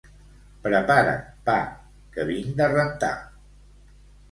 Prepara't, pa, que vinc de rentar.